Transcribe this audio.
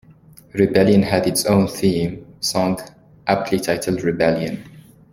Rebellion had its own theme song aptly titled "Rebellion".